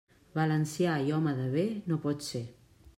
Valencià i home de bé, no pot ser.